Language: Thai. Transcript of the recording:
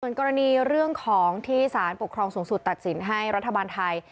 ส่วนกรณีเรื่องของที่สารปกครองสูงสุดตัดสินให้รัฐบาลไทย